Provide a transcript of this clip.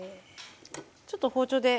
ちょっと包丁で。